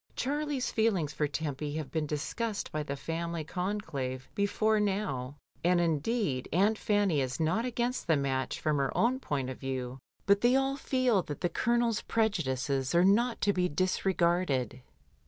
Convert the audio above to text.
Charlie's feelings for Tempy have been discussed by the family conclave before now, and indeed Aunt Fanny is not against the match from her own point of view, but they all feel that the Colonel's prejudices 1 66 MRS. DYMOND. are not to be disregaxded.